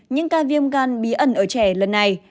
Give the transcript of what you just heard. những ca viêm gan bí ẩn ở trẻ lần này